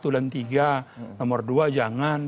satu dan tiga nomor dua jangan